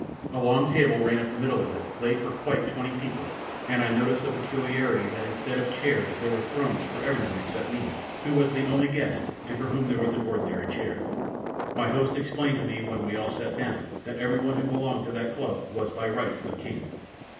A long table ran up the middle of it, laid for quite twenty people, and I noticed the peculiarity that instead of chairs there were thrones for everyone except me, who was the only guest and for whom there was an ordinary chair. My host explained to me when we all sat down that everyone who belonged to that club was by rights a king.